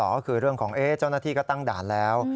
ก็คือเรื่องของเจ้าหน้าที่ก็ตั้งด่านแล้ว